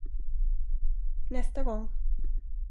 Nästa gång.